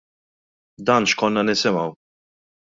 Dan x'konna nisimgħu.